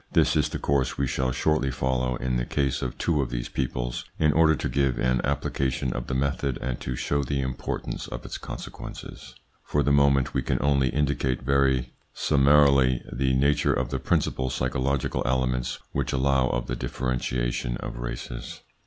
This is the course we shall shortly follow in the case of two of these peoples in order to give an application of the method and to show the importance of its consequences. For the moment, we can only indicate very ITS INFLUENCE ON THEIR EVOLUTION 29 summarily the nature of the principal psychological elements which allow of the differentiation of races.